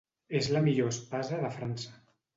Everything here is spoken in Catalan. És la millor espasa de França.